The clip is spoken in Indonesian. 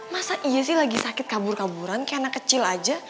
masa iya sih lagi sakit kabur kaburan kayak anak kecil aja